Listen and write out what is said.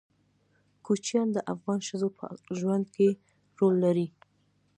کوچیان د افغان ښځو په ژوند کې رول لري.